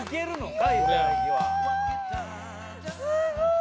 すごい。